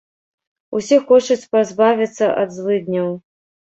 Усе хочуць пазбавіцца ад злыдняў.